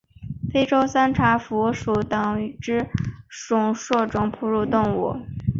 非洲三叉蝠属等之数种哺乳动物。